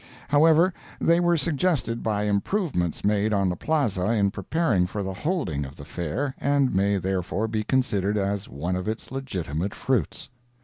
However, they were suggested by improvements made on the Plaza in preparing for the holding of the Fair, and may, therefore, be considered as one of its legitimate fruits.